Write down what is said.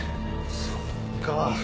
そっか。